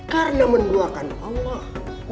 karena menduakan allah